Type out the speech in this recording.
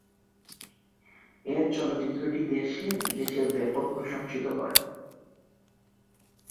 এ চলচ্চিত্রটি দেশে-বিদেশে ব্যাপক প্রশংসিত হয়।